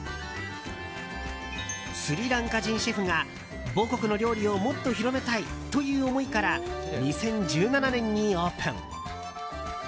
スリランカ人シェフが母国の料理をもっと広めたいという思いから２０１７年にオープン。